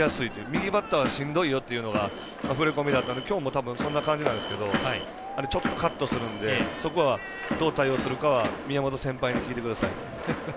右バッターはしんどいよという感じだったんですがきょうもそんな感じですがちょっとカットするのでそこはどう対応するかは宮本先輩に聞いてください。